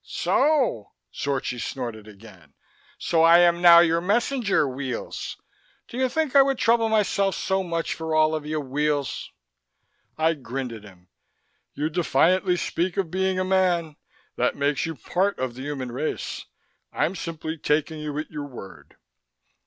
"So?" Zorchi snorted again. "So, I am now your messenger, Weels! Do you think I would trouble myself so much for all of you, Weels?" I grinned at him. "You defiantly speak of being a man. That makes you part of the human race. I'm simply taking you at your word."